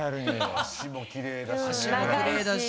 足もきれいだし。